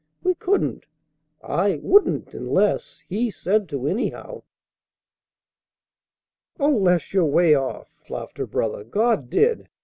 We couldn't. I wouldn't unless He said to, anyhow." "O Les! You're way off," laughed her brother. "God did.